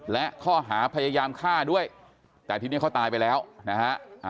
และข้อหาพยายามฆ่าด้วยแต่ทีนี้เขาตายไปแล้วนะฮะ